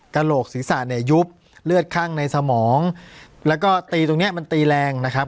กระโหลกศีรษะเนี่ยยุบเลือดข้างในสมองแล้วก็ตีตรงเนี้ยมันตีแรงนะครับ